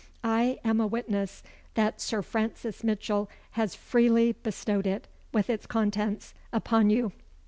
I am a witness that Sir Francis Mitchell has freely bestowed it, with its contents, upon you.